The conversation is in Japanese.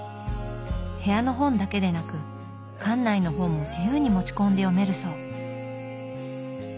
部屋の本だけでなく館内の本も自由に持ち込んで読めるそう。